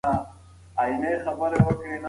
ذهنونه به خلاص شي.